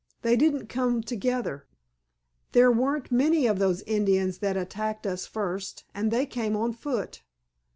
They didn't come together. There weren't many of those Indians that attacked us first, and they came on foot.